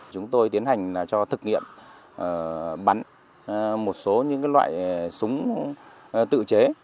chúng tôi tiến hành cho thực nghiệm bắn một số những loại súng tự chế